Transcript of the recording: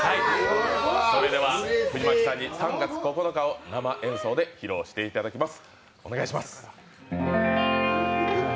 藤巻さんに「３月９日」を生演奏で披露していただきます。